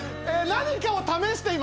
「何かを試してる」？